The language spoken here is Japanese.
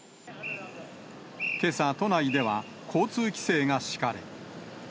けさ、都内では交通規制が敷かれ。